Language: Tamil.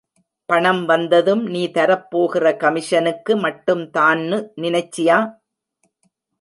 பணம் வந்ததும் நீ தரப்போகிற கமிஷனுக்கு மட்டும்தான்னு நினைச்சியா?